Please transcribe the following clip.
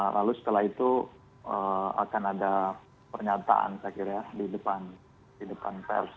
lalu setelah itu akan ada pernyataan saya kira di depan pers